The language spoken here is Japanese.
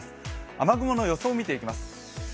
雨雲の予想を見ていきます。